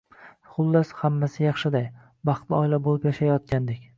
Xullas, hammasi yaxshiday, baxtli oila bo`lib yashayotgandik